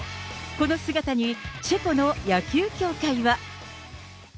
この姿に、チェコの野球協会は。